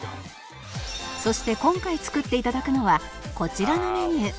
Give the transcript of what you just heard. そして今回作っていただくのはこちらのメニュー